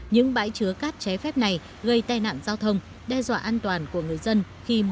những bãi trứa cát trái phép đã được tập kết vào trung tâm thành phố quảng ngãi